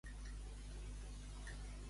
El bon Déu.